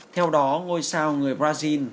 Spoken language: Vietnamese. theo đó ngôi sao người brazil